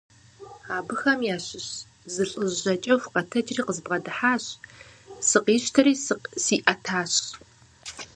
Абыхэм ящыщ зы лӀыжь жьакӀэху къэтэджри къызбгъэдыхьащ, сыкъищтэри сиӀэтащ.